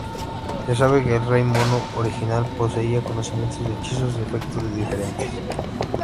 Se sabe que el Rey Mono original poseía conocimiento de hechizos de efectos diferentes.